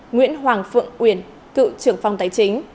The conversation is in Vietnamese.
nguyễn hoàng phượng uyển cựu trưởng phòng tài chính